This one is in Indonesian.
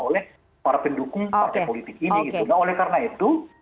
oleh para pendukung partai politik ini gitu nah oleh karena itu